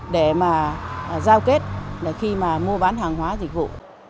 để mà giao kết khi mà mua bán hàng hóa dịch vụ